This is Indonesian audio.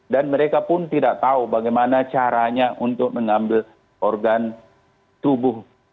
dan mereka pun tidak tahu bagaimana caranya untuk mengambil organ tubuh